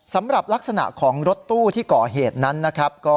สำหรับลักษณะของรถตู้ที่ก่อเหตุนั้นนะครับ